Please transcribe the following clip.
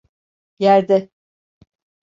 Yerde…